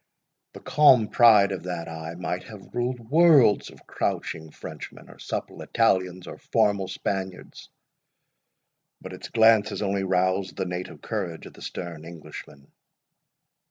The calm pride of that eye might have ruled worlds of crouching Frenchmen, or supple Italians, or formal Spaniards; but its glances only roused the native courage of the stern Englishman.